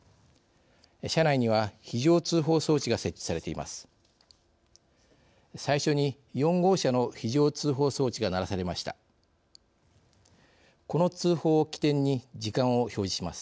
車内には非常通報装置が設置されています。